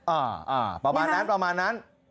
อ่าอ่าประมาณนั้นประมาณนั้น